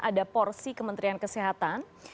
ada porsi kementerian kesehatan